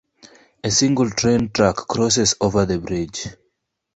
A single train track crosses over the bridge.